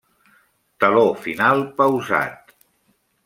Teló final pausat.